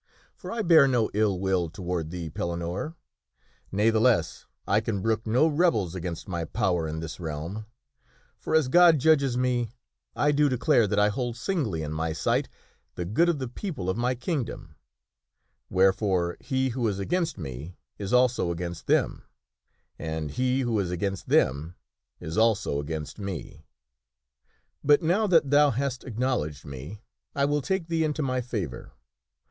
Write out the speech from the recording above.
For I bear no ill will toward thee, Pellinore, ne'theless, I can brook no rebels against my power in this realm. For, as God judges me, I do declare that I hold singly in my sight the good of the people of my kingdom. Wherefore, he who is against me is also against them, and he who is against them is also against me. But now KING ARTHUR RIDES THROUGH THE FOREST 73 that thou hast acknowledged me I will take thee into my favor.